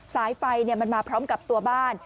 สายไฟมันมาพร้อมกับตัวบ้าน